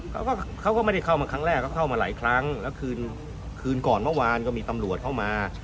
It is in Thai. เขาก็เขาก็ไม่ได้เข้ามาครั้งแรกก็เข้ามาหลายครั้งแล้วคืนคืนก่อนเมื่อวานก็มีตำรวจเข้ามา